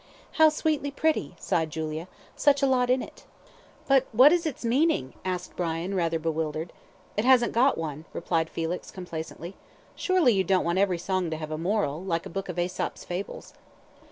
"How sweetly pretty," sighed Julia. "Such a lot in it." "But what is its meaning?" asked Brian, rather bewildered. "It hasn't got one," replied Felix, complacently. "Surely you don't want every song to have a moral, like a book of Aesop's Fables?"